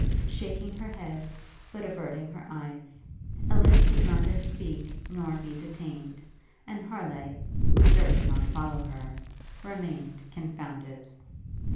Shaking her head, but averting her eyes, Ellis would neither speak not be detained; and Harleigh, who durst not follow her, remained confounded.